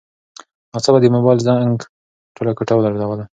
ناڅاپه د موبایل زنګ ټوله کوټه ولړزوله.